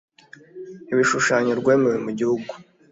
ibishushanyo rwemewe mu gihugu